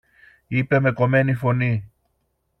είπε με κομμένη φωνή.